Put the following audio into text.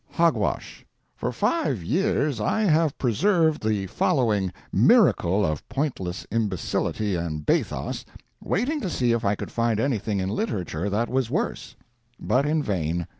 "HOGWASH" For five years I have preserved the following miracle of pointless imbecility and bathos, waiting to see if I could find anything in literature that was worse. But in vain.